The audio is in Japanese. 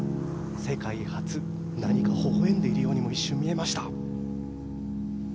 何かほほ笑んでいるようにも一瞬見えました。